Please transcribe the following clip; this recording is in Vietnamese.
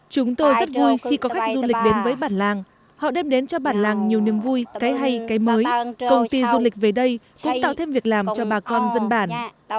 chúng tôi rất vui khi có khách du lịch đến với bản làng họ đem đến cho bản làng nhiều niềm vui cái hay cái mới công ty du lịch về đây cũng tạo thêm việc làm cho bà con dân bản